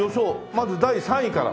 まず第３位から。